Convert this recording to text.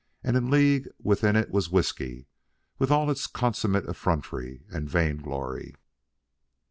And in league with it was whiskey, with all its consummate effrontery and vain glory.